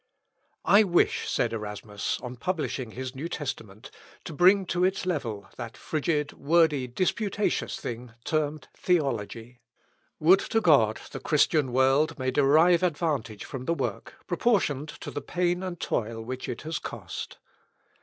"I wish," said Erasmus on publishing his New Testament, "to bring to its level that frigid, wordy, disputatious thing, termed Theology. Would to God the Christian world may derive advantage from the work, proportioned to the pain and toil which it has cost."